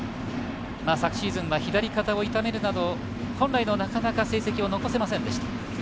昨シーズンは左肩を痛めるなど本来の成績を残せませんでした。